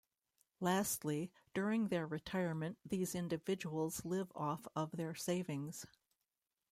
Lastly, during their retirement these individuals live off of their savings.